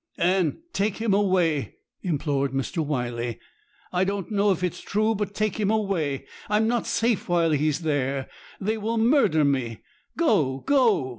'Anne, take him away!' implored Mr. Wyley. 'I don't know if it is true, but take him away. I'm not safe while he's there; they will murder me! Go, go!'